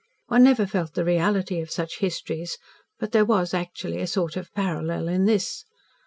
One never felt the reality of such histories, but there was actually a sort of parallel in this.